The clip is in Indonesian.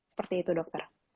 seperti itu dokter